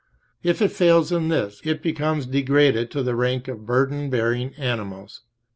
If it fails in this, it becomes degraded to the rank {p. 24} of burden bearing animals.